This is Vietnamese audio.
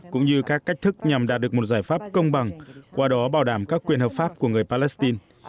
cũng như các cách thức nhằm đạt được một giải pháp công bằng qua đó bảo đảm các quyền hợp pháp của người palestine